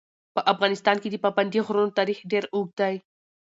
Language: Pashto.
په افغانستان کې د پابندي غرونو تاریخ ډېر اوږد دی.